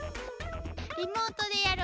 リモートでやる